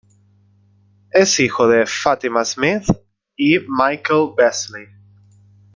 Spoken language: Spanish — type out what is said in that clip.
Es hijo de Fátima Smith y Michael Beasley Sr.